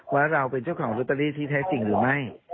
ว่าเราเป็นเจ้าของโรตเตอรี่ที่แท้จริงหรือไม่